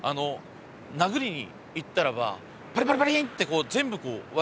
殴りにいったらばパリパリパリンって全部こう割れたんですね。